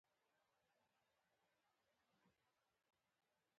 ادبیات همداسې یو علم او هنر هم دی.